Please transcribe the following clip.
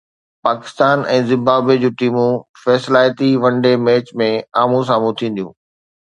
Pakistan ۽ Zimbabwe جون ٽيمون فيصلائتي ون ڊي ميچ ۾ آمهون سامهون ٿينديون